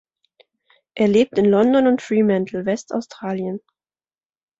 Er lebt in London und Fremantle, West-Australien.